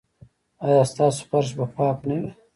ایا ستاسو فرش به پاک نه وي؟